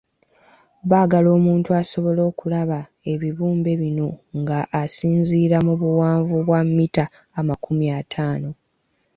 Baagala omuntu asobole okulaba ebibumbe bino nga asinziira mu buwanvu bwa mita amakumi ataano.